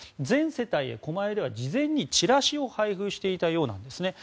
全世帯へ狛江では事前にチラシを配布していたようです。